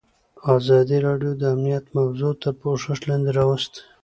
ازادي راډیو د امنیت موضوع تر پوښښ لاندې راوستې.